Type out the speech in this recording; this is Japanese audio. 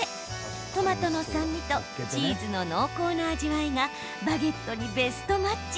トマトの酸味とチーズの濃厚な味わいがバゲットにベストマッチ。